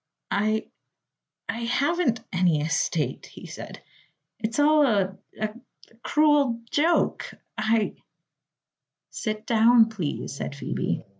"I I haven't any estate," he said. "It's all a a cruel joke! I " "Sit down, please," said Phoebe.